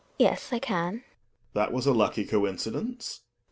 Yes, I can. Gregers. That was a lucky coincidence.